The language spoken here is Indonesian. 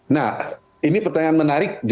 nah ini pertanyaan menarik